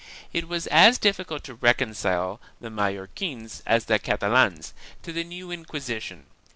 1 It was as difficult to reconcile the Mallorquins as the Catalans to the new Inquisition.